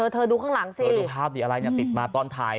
เธอดูข้างหลังสิเธอดูภาพอะไรติดมาตอนถ่าย